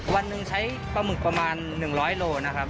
วันหนึ่งใช้ปลาหมึกประมาณ๑๐๐โลนะครับ